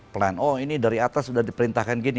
plan oh ini dari atas sudah diperintahkan gini